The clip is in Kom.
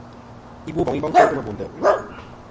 I Boboŋ i boŋ kel kemɨ bò ntè'.